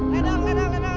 ledang ledang ledang